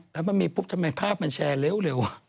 ทำไมภาพมันแชร์เร็ว